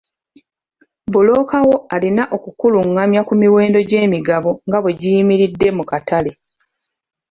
Bbulooka wo alina okukulungamya ku miwendo gy'emigabo nga bwe giyimiridde mu katale.